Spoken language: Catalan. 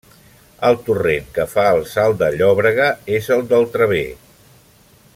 El torrent que fa el Salt de Llòbrega és el del Traver.